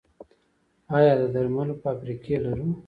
آیا د درملو فابریکې لرو؟